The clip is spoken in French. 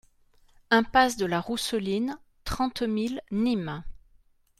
Impasse de la Rousseline, trente mille Nîmes